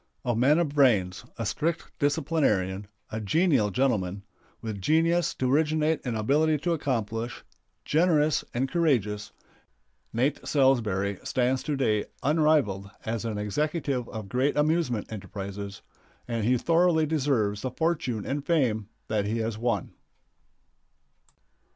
A man of brains, a strict disciplinarian, a genial gentleman, with genius to originate and ability to accomplish, generous and courageous, Nate Salsbury stands to day unrivaled as an executive of great amusement enterprises, and he thoroughly deserves the fortune and fame that he has won.